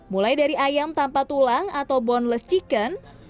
mulai dari ayam tanpa tulang atau bondless chicken